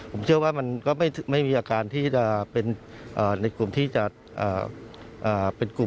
ผมเชื่อไม่มีอาการคุมกลุ่มที่จะเป็นกลุ่มทหารสีแดง